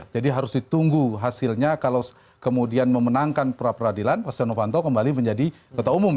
jadi harus ditunggu hasilnya kalau kemudian memenangkan peradilan pak setia novanto kembali menjadi ketua umum